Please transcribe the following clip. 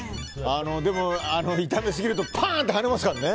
でも炒めすぎるとパンってはねますからね